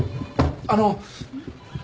あの！